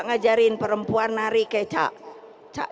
ngajarin perempuan nari kecak